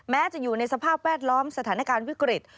จะอยู่ในสภาพแวดล้อมสถานการณ์วิกฤต